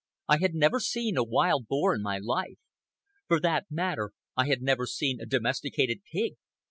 I had never seen a wild boar in my life. For that matter I had never seen a domesticated pig.